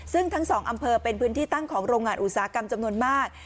ซึ่งทั้งสองอำเภอเป็นพื้นที่ตั้งของโรงงานอุตสาหกรรมจำนวนมาก